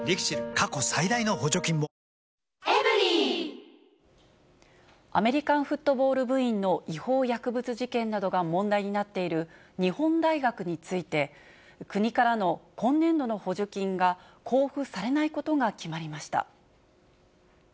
過去最大の補助金もアメリカンフットボール部員の違法薬物事件などが問題になっている、日本大学について、国からの今年度の補助金が交付されないことが決まりました。